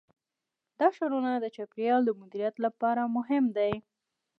دا ښارونه د چاپیریال د مدیریت لپاره مهم دي.